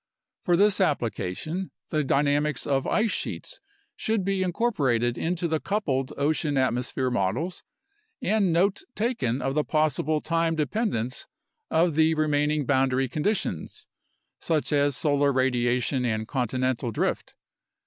For this application the dynamics of ice sheets should be incorporated into the coupled ocean atmosphere models and note taken of the possible time dependence of the remaining boundary conditions, such as solar radiation and continental drift.